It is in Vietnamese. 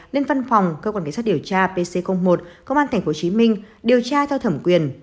lên văn phòng cơ quan cảnh sát điều tra pc một công an tp hcm điều tra theo thẩm quyền